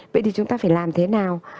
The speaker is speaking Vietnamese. vậy thì chúng ta phải làm thế nào